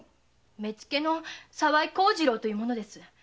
目付の沢井幸次郎という者です。